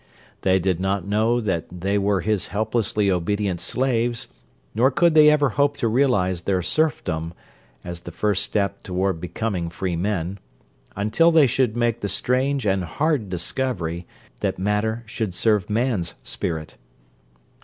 They did not know that they were his helplessly obedient slaves, nor could they ever hope to realize their serfdom (as the first step toward becoming free men) until they should make the strange and hard discovery that matter should serve man's spirit.